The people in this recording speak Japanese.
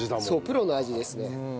そうプロの味ですね。